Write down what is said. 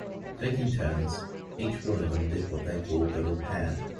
Taking turns, each one of them did what they called the repair.